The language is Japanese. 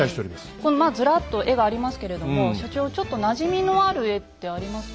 このまあずらっと絵がありますけれども所長ちょっとなじみのある絵ってありますか？